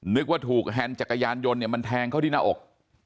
นึกว่าถูกแฮนด์จักรยานยนต์เนี่ยมันแทงเข้าที่หน้าอก